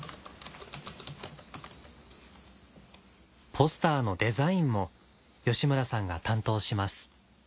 ポスターのデザインも吉村さんが担当します。